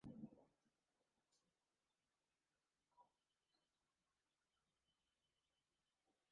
El conjunto ofrece una imagen que recuerda a los antiguos aljibes.